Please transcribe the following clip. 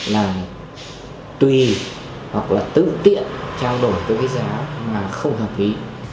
và tùy hoặc là tự tiện trao đổi tới cái giá mà không hợp lý